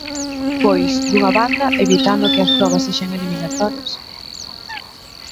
Pois, dunha banda, evitando que as probas sexan eliminatorias.